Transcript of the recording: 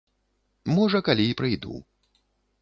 Можа, калі і прыйду.